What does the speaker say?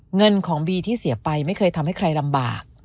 เงินของบีที่เสียไปไม่เคยทำให้ใครลำบาก